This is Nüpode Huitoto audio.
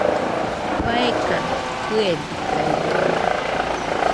faeka fɨebikaide atɨ